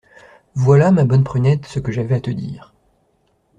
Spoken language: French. Voilà, ma bonne Prunette, ce que j’avais à te dire…